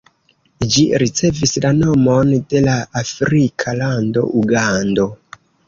Ĝi ricevis la nomon de la afrika lando Ugando.